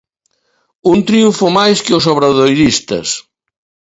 Un triunfo máis que os obradoiristas.